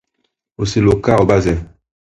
Oseloka Obaze